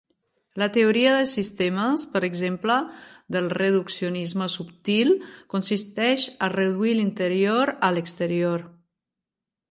La teoria de sistemes, per exemple, del reduccionisme subtil consisteix a reduir l'interior a l'exterior.